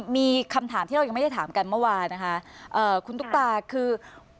มีคำถามที่เรายังไม่ได้ถามกันเมื่อวานนะคะเอ่อคุณตุ๊กตาคือ